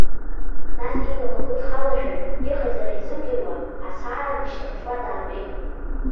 Нас, иблақәа кыдхалашәа, иҟаиҵара изымдыруа, асаара дышьҭаԥшуа даатәеит.